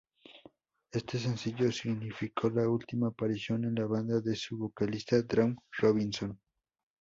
Éste sencillo significó la última aparición en la banda de su vocalista, Dawn Robinson.